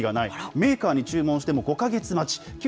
メーカーに注文しても５か月待ち。